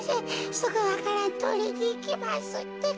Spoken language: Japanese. すぐわからんとりにいきますってか。